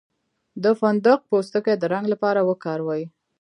د فندق پوستکی د رنګ لپاره وکاروئ